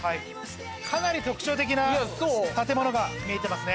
かなり特徴的な建物が見えてますね。